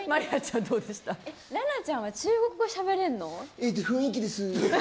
裸奈ちゃんは中国語をしゃべれるの。